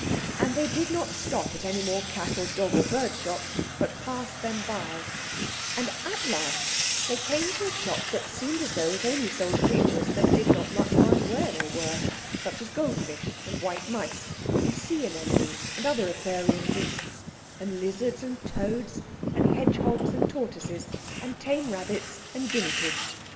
And they did not stop at any more cat or dog or bird shops, but passed them by, and at last they came to a shop that seemed as though it only sold creatures that did not much mind where they were—such as goldfish and white mice, and sea anemones and other aquarium beasts, and lizards and toads, and hedgehogs and tortoises, and tame rabbits and guinea pigs.